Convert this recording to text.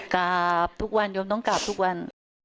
กราบทุกวันยมต้องกลับทุกวัน